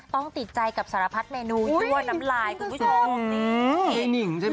ต้องติดใจกับสารพัดเมนูตัวน้ำลายคุณผู้ชม